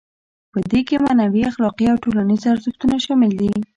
په دې کې معنوي، اخلاقي او ټولنیز ارزښتونه شامل دي.